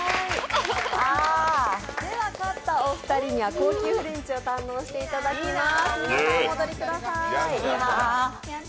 勝ったお二人には高級フレンチを堪能していただきます。